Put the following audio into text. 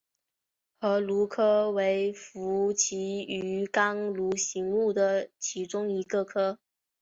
河鲈科为辐鳍鱼纲鲈形目的其中一个科。